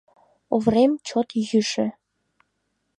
Оврем чот йӱшӧ.